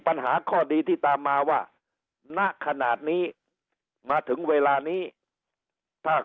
ปัญหาข้อดีที่ตามมาว่าณขนาดนี้มาถึงเวลานี้ถ้า